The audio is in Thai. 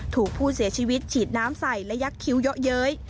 ถูกผู้เสียชีวิตฉีดน้ำใส่และยักษ์คิ้วเยอะเย้ย